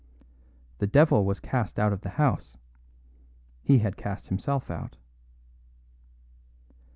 The devil was cast out of the house he had cast himself out.